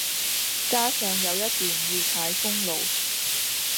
加上有一段要踩公路